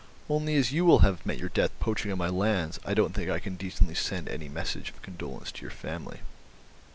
Only as you will have met your death poaching on my lands I don't think I can decently send any message of condolence to your family."